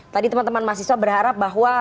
tadi teman teman mahasiswa berharap bahwa